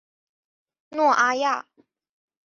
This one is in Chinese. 诺阿亚。